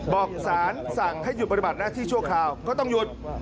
บอกสารสั่งให้หยุดปฏิบัติหน้าที่ชั่วคราวก็ต้องหยุด